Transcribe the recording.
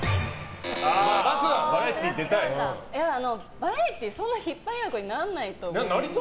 バラエティーそんな引っ張りだこにならないと思う。